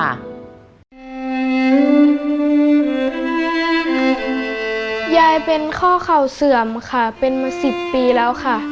ยายเป็นข้อเข่าเสื่อมค่ะเป็นมา๑๐ปีแล้วค่ะ